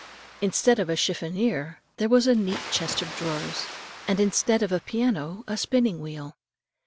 Instead of a chiffonier there was a neat chest of drawers, and instead of a piano a spinning wheel.